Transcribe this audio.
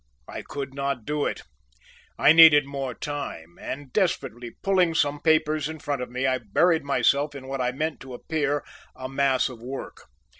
I could not do it. I needed more time, and desperately pulling some papers in front of me, I buried myself in what I meant to appear a mass of work.